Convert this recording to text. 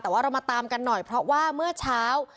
แต่ว่าเรามาตามกันหน่อยเพราะว่าเมื่อเช้า